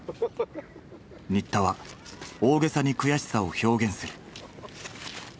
新田は大げさに悔しさを表現する。